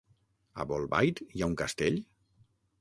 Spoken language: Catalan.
A Bolbait hi ha un castell?